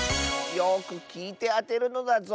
よくきいてあてるのだぞ。